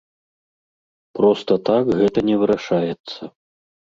Проста так гэта не вырашаецца.